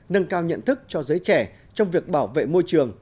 nâng cao nhận thức cho giới trẻ trong việc bảo vệ môi trường